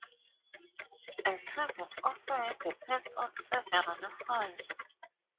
A target often depends on several files.